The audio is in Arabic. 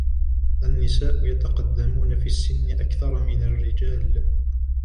النساء يتقدمون في السن أكثر من الرجال.